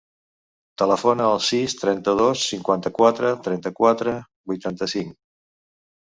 Telefona al sis, trenta-dos, cinquanta-quatre, trenta-quatre, vuitanta-cinc.